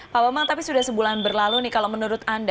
pak bambang tapi sudah sebulan berlalu nih kalau menurut anda